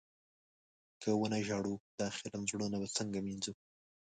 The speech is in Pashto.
که و نه ژاړو، دا خيرن زړونه به څنګه مينځو؟